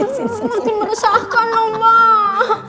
mungkin meresahkan lho mbak